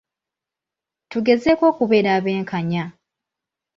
Tugezeeko okubeera abenkanya.